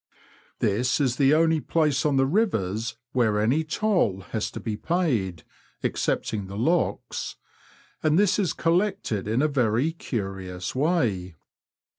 This is the only place on the rivers where any toll has to be paid (excepting the locks), and this is collected in a very curions way.